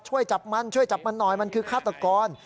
ช่วยจับมันช่วยจับมันหน่อยมันคือฆาตกร